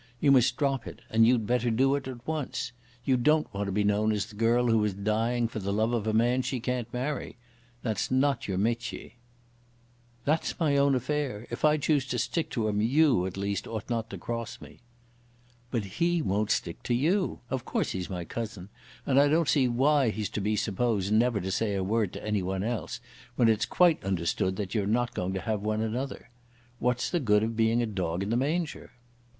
You must drop it, and you'd better do it at once. You don't want to be known as the girl who is dying for the love of a man she can't marry. That's not your métier." "That's my own affair. If I choose to stick to him you, at least, ought not to cross me." "But he won't stick to you. Of course he's my cousin, and I don't see why he's to be supposed never to say a word to anyone else, when it's quite understood that you're not going to have one another. What's the good of being a dog in the manger?"